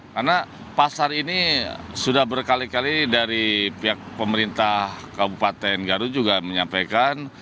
karena pasar ini sudah berkali kali dari pihak pemerintah kabupaten garut juga menyampaikan